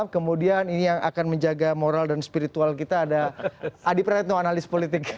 kemudian ini yang akan menjaga moral dan spiritual kita ada adi praetno analis politik